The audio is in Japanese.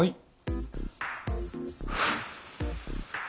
はい。